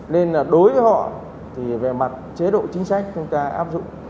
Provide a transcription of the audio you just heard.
nên là đối với họ thì về mặt chế độ chính sách chúng ta áp dụng